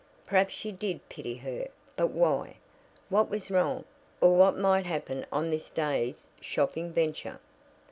Perhaps she did pity her but why? What was wrong, or what might happen on this day's shopping venture?